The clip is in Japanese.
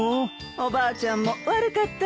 おばあちゃんも悪かったねえ。